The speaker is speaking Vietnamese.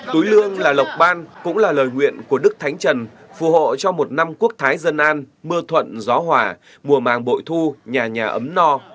túi lương là lộc ban cũng là lời nguyện của đức thánh trần phù hộ cho một năm quốc thái dân an mưa thuận gió hòa mùa màng bội thu nhà nhà ấm no